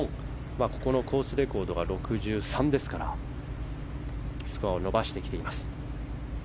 ここのコースレコードが６３ですからスコアを伸ばしてきています。